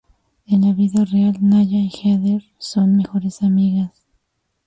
En la vida real Naya y Heather son mejores amigas.